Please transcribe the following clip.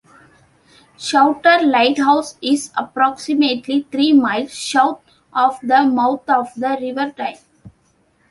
Souter Lighthouse is approximately three miles south of the mouth of the River Tyne.